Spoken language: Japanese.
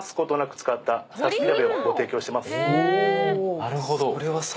なるほど。